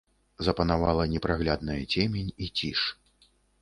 Запанавала непраглядная цемень і ціш.